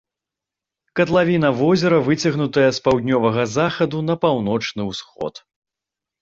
Катлавіна возера выцягнутая з паўднёвага захаду на паўночны ўсход.